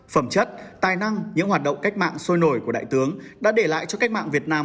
phẩm chất tài năng những hoạt động cách mạng sôi nổi của đại tướng đã để lại cho cách mạng việt nam